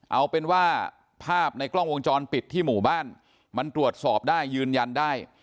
เอาเป็นว่าภาพในกล้องวงจรปิดที่หมู่บ้านมันตรวจสอบได้ยืนยันได้